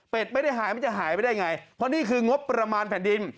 ไม่ได้หายมันจะหายไปได้ไงเพราะนี่คืองบประมาณแผ่นดิน